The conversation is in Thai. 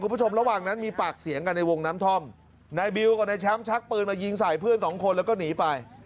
คุณผู้ชมระหว่างนั้นมีปากเสียงกันในวงน้ำท่อมนายบิวกับนายแชมป์ชักปืนมายิงใส่เพื่อนสองคนแล้วก็หนีไป